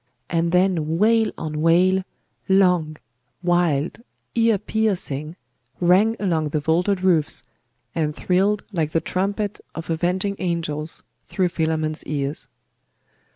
and then wail on wail, long, wild, ear piercing, rang along the vaulted roofs, and thrilled like the trumpet of avenging angels through Philammon's ears.